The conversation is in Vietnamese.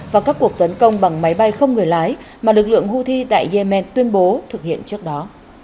và các cuộc tấn công bằng máy bay không người lái mà lực lượng houthi tại yemen tuyên bố thực hiện trước đó